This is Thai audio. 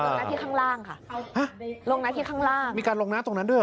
ลงนะที่ข้างล่างค่ะฮะลงนะที่ข้างล่างมีการลงนะตรงนั้นด้วยเหรอ